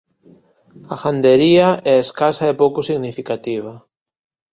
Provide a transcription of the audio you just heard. A gandería é escasa e pouco significativa.